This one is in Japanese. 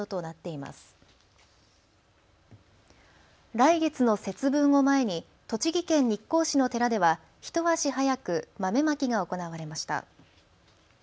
来月の節分を前に栃木県日光市の寺では一足早く、豆まきが行われました。